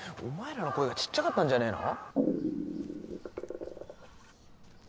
お前らの声がちっちゃかったんじゃねえの？